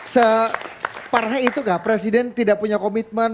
separahnya itu gak presiden tidak punya komitmen